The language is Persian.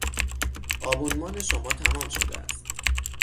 آبونمان شما تمام شده است.